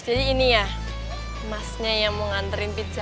jadi ini ya emasnya yang mau nganterin pizza